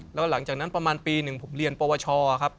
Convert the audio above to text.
แล้วหลังจากนั้นประมาณปีหนึ่งผมเรียนปวชครับ